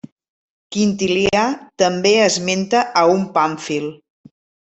Quintilià també esmenta a un Pàmfil.